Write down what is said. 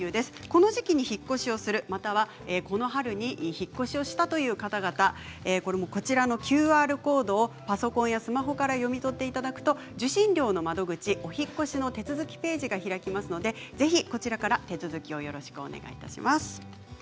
この時期に引っ越しをするまたはこの春に引っ越しをしたという方々これもこちらのＱＲコードをパソコンやスマホから読み取っていただくと受信料の窓口、お引っ越しの手続きページが開きますのでぜひ、こちらから手続きをよろしくお願いします。